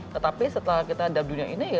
tetapi setelah kita dalam dunia ini ya